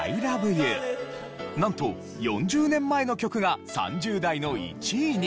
なんと４０年前の曲が３０代の１位に。